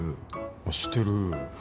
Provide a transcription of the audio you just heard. あっしてる